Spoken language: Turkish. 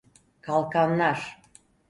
Kalkanlar.